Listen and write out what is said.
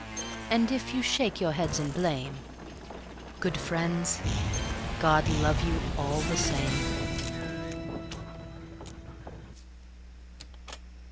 And if you shake your heads in blame ... Good friends, God love you all the same.